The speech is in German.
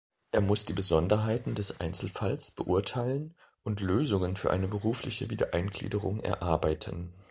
Er muss die Besonderheiten des Einzelfalls beurteilen und Lösungen für eine berufliche Wiedereingliederung erarbeiten.